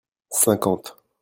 cinquante.